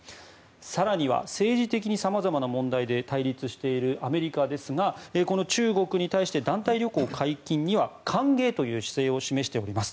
更には政治的に様々な問題で対立しているアメリカですが中国に対して団体旅行解禁には歓迎という姿勢を示しております。